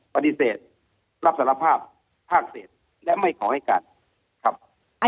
ปฏิเสธรับสารภาพภาคเศษและไม่ขอให้การครับ